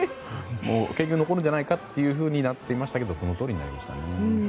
結局残るんじゃないかとなっていましたけどそのとおりになりましたね。